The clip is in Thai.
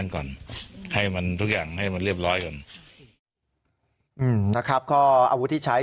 ก็อาวุธที่ใช้